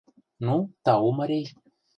— Ну, тау, марий.